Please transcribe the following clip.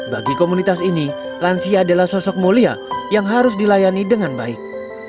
bagi komunitas ini lansia adalah sosok mulia yang harus dilayani dengan baik